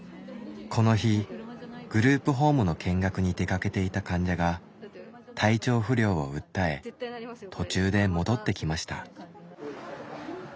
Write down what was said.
この日グループホームの見学に出かけていた患者が体調不良を訴え途中で戻ってきました。